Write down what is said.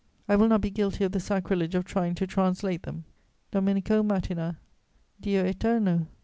I will not be guilty of the sacrilege of trying to translate them: "Domenico, mattina. "Dio eterno?